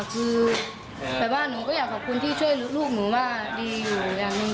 คือแบบว่าหนูก็อยากขอบคุณที่ช่วยลูกหนูว่าดีอยู่อย่างหนึ่ง